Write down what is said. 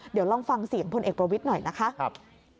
เดี๋ยวลองฟังเสียงพลเอกประวิทย์หน่อยนะคะ